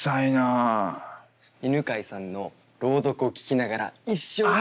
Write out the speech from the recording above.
犬飼さんの朗読を聞きながら一生懸命。